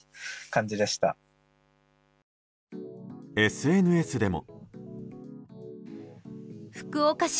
ＳＮＳでも。